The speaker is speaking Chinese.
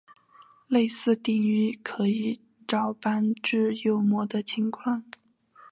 类似定义可以照搬至右模的情况。